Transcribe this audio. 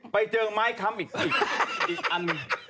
ไปเจอไม้คำอีกอัน